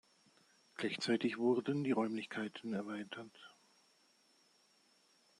Gleichzeitig wurden die Räumlichkeiten erweitert.